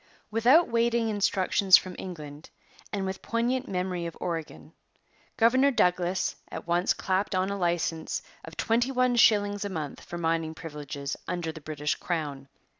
Without waiting instructions from England and with poignant memory of Oregon, Governor Douglas at once clapped on a licence of twenty one shillings a month for mining privileges under the British crown.